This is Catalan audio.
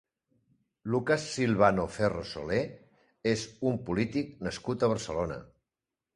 Lucas Silvano Ferro Solé és un polític nascut a Barcelona.